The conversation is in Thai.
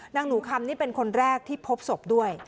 หนูคำนี่เป็นคนแรกที่พบศพด้วย